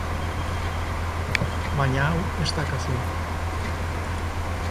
Baina hau ez da kasua.